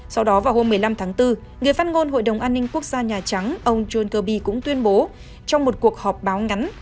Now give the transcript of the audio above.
sau đó vào hôm một mươi năm tháng bốn người phát ngôn hội đồng an ninh quốc gia nhà trắng ông john kirby cũng tuyên bố trong một cuộc họp báo ngắn